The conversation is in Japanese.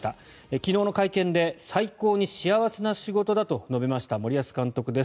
昨日の会見で最高に幸せな仕事だと述べました森保監督です。